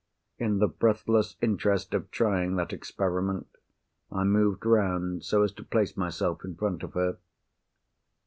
In the breathless interest of trying that experiment, I moved round so as to place myself in front of her.